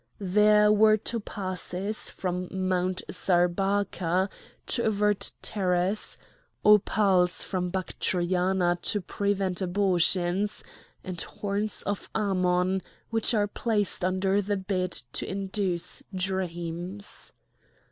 There were topazes from Mount Zabarca to avert terrors, opals from Bactriana to prevent abortions, and horns of Ammon, which are placed under the bed to induce dreams.